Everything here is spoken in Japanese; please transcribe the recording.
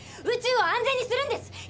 宇宙を安全にするんです！